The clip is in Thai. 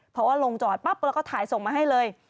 เพราะว่าลงจอดปั๊บแล้วก็ถ่ายส่งมาให้เลย